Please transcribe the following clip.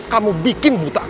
kamu bikin buta mel